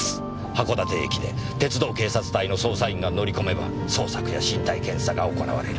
函館駅で鉄道警察隊の捜査員が乗り込めば捜索や身体検査が行われる。